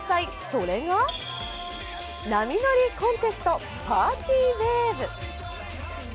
それが波乗りコンテスト、パーティーウェーブ。